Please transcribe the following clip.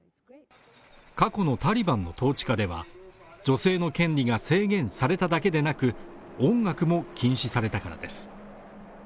過去のタリバンの統治下では女性の権利が制限されただけでなく音楽も禁止されたからです